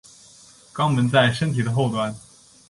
肛门在身体的后端。